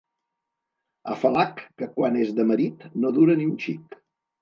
Afalac que quan és de marit no dura ni un xic.